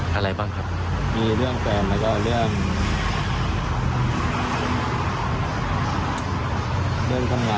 เข้าเครียดไหมครับ